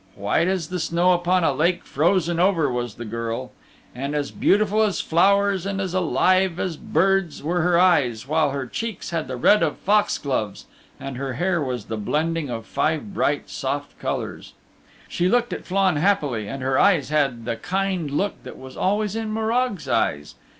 White as the snow upon a lake frozen over was the girl, and as beautiful as flowers and as alive as birds were her eyes, while her cheeks had the red of fox gloves and her hair was the blending of five bright soft colors. She looked at Flann happily and her eyes had the kind look that was always in Morag's eyes.